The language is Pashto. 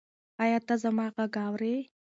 ایا ته زما غږ اورې؟